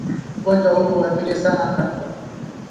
Ugonjwa huu huathiri sana ngamia